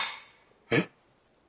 えっ？